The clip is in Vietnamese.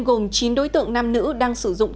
gồm chín đối tượng nam nữ đang sử dụng